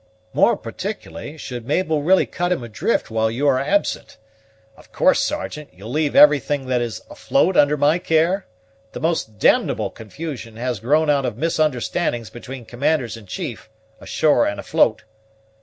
"More particularly, should Mabel really cut him adrift while you are absent. Of course, Sergeant, you'll leave everything that is afloat under my care? The most d ble confusion has grown out of misunderstandings between commanders in chief, ashore and afloat."